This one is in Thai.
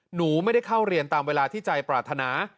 หนูไม่ได้เข้าเรียนตามเวลาที่ใจปรารถนา